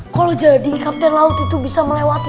kalau jadi kapten laut itu bisa melewati